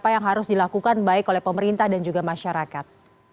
apa yang harus dilakukan baik oleh pemerintah dan juga masyarakat